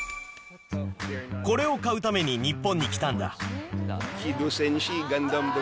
これを買うために日本に来たんだ。